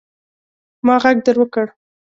ما ږغ در وکړئ.